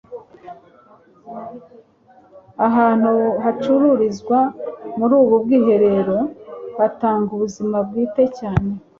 ahantu hacururizwa muri ubu bwiherero hatanga ubuzima bwite cyane